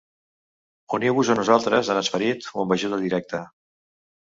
Uniu-vos a nosaltres en esperit o amb ajuda directa.